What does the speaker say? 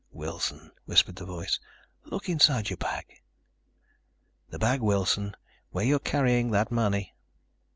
"Wilson," whispered the voice, "look inside your bag. The bag, Wilson, where you are carrying that money.